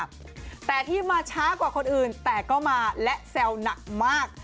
เดียวกันค่ะแต่ที่มาช้ากว่าคนอื่นแตกเข้ามาและแซวหนักมาก